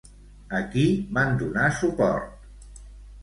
A qui van donar suport?